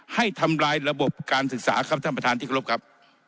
ให้ทำลายระบบการศึกษาครับท่านประธานธิกรรมครับ